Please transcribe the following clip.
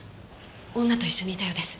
女と一緒にいたようです。